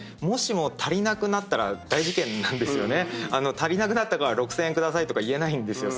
足りなくなったから６，０００円下さいとか言えないんですよ。